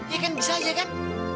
ya kan bisa aja kan